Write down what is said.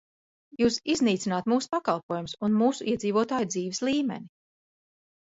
Jūs iznīcināt mūsu pakalpojumus un mūsu iedzīvotāju dzīves līmeni.